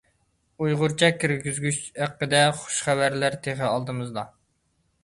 ئۇيغۇرچە كىرگۈزگۈچ ھەققىدە خۇش خەۋەرلەر تېخى ئالدىمىزدا!